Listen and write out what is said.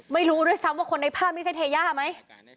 ไม่รู้ด้วยซ้ำว่าคนในภาพนี้ใช่เทย่าไหม